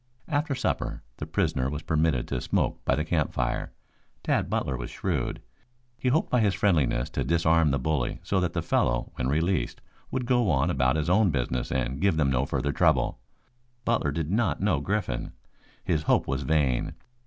After supper the prisoner was permitted to smoke by the campfire. Tad Butler was shrewd. He hoped by this friendliness to disarm the bully so that the fellow, when released, would go on about his own business and give them no further trouble. Butler did not know Griffin. His hope was vain.